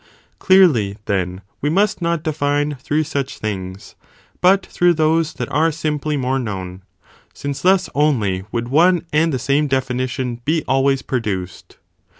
Clearly, then, we must not define through such things, but through those that are simply more known, since thus only would one and the same definition be always produced.